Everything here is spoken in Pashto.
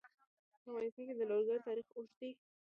په افغانستان کې د لوگر تاریخ اوږد دی.